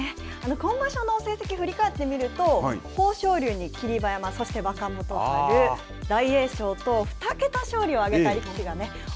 今場所の成績振り返ってみると豊昇龍に霧馬山、そして若元春大栄翔と２桁勝利を上げた力士がね